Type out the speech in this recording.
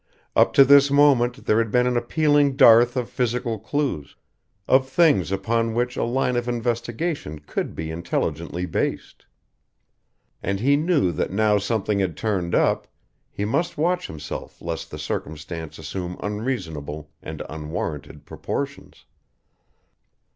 Up to this moment there had been an appalling dearth of physical clues of things upon which a line of investigation could be intelligently based. And he knew that now something had turned up, he must watch himself lest the circumstance assume unreasonable and unwarranted proportions.